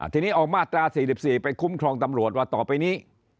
ทีนี้เอามาตรา๔๔ไปคุ้มครองตำรวจว่าต่อไปนี้